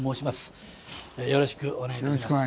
よろしくお願いします。